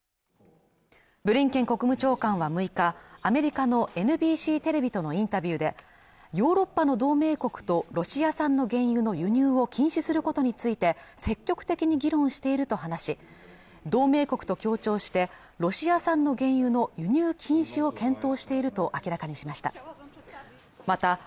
ブリンケン国務長官は６日アメリカのＮＢＣテレビとのインタビューでヨーロッパの同盟国とロシア産の原油の輸入を禁止することについて積極的に議論していると話し同盟国と協調してロシア産の原油の輸入禁止を検討していると明らかにしました